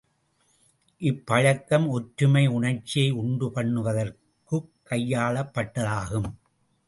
இப்பழக்கம் ஒற்றுமை உணர்ச்சியை உண்டு பண்ணுவதற்குக் கையாளப் பட்டதாகும்.